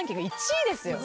１位ですよ。